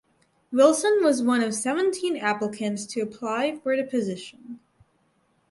Wilson was one of seventeen applicants to apply for the position.